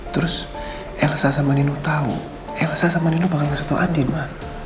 terus elsa sama nino tahu elsa sama nino bakal ngasih tau andin ma